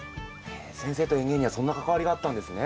先生と園芸にはそんな関わりがあったんですね。